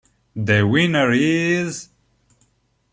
The Winner Is...